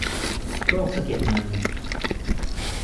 โรคสะเก็ดเงิน